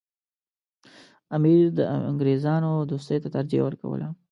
امیر د انګریزانو دوستۍ ته ترجیح ورکوله.